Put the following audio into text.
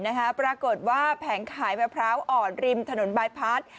ปรากฏว่าแผงขายมะพร้าวอ่อนริมถนนบายพัด